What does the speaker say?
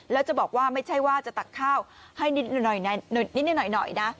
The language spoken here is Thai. แล้วจะบอกว่าไม่ใช่ว่าจะตักข้าวให้นิดหน่อยนิดหน่อยนะ